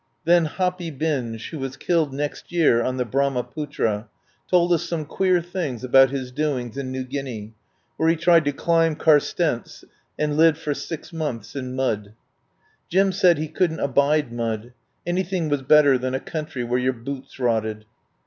Then Hoppy Bynge, who was killed next year on the Bramaputra, told us some queer things about his doings in New Guinea, where he tried to climb Carstensz, and lived for six months in mud. Jim said he couldn't abide mud — anything was better than a country where your boots rotted.